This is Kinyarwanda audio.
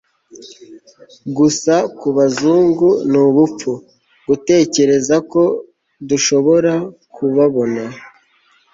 gusa kubazungu. ni ubupfu gutekereza ko dushobora kubabona